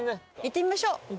行ってみましょう。